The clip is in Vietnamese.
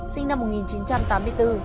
sinh năm một nghìn chín trăm tám mươi bốn